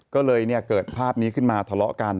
ก็เลยเกิดภาพนี้ขึ้นมาทะเลาะกัน